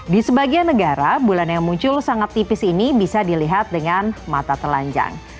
di sebagian negara bulan yang muncul sangat tipis ini bisa dilihat dengan mata telanjang